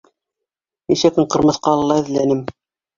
Нисә көн Ҡырмыҫҡалыла эҙләнем.